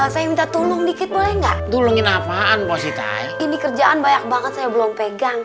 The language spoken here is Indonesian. saya minta tolong dikit boleh nggak duluin apaan ini kerjaan banyak banget saya belum pegang